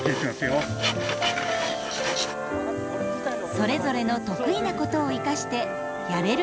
それぞれの得意なことを生かしてやれることをやる。